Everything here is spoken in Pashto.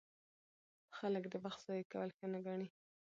خلک د وخت ضایع کول ښه نه ګڼي.